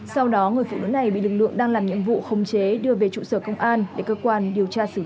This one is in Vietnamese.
sau đó người phụ nữ này bị lực lượng đang làm nhiệm vụ khống chế đưa về trụ sở công an để cơ quan điều tra xử lý